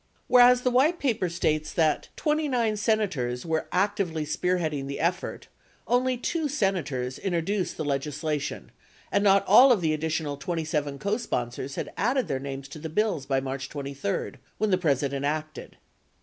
Whereas the White Paper states that "29 Senators ... [were] actively spearheading the effort," only 2 Senators introduced the legis lation and not all of the additional 27 cosponsors had added their names to the bills by March 23, when the President acted.